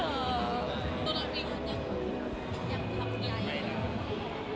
คนโตโร่นี้ยังทำอะไร